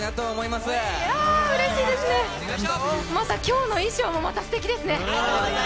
また今日の衣装もすてきですね。